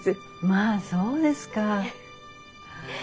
まあそうですか。